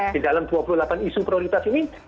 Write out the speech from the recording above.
di dalam dua puluh delapan isu prioritas ini